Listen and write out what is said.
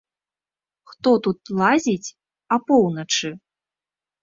Хто тут лазіць апоўначы?